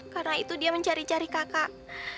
karena itu dia mencari cari kakak